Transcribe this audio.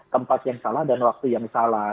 tempat yang salah dan waktu yang salah